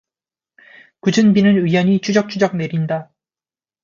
궂은비는 의연히 추적추적 내린다.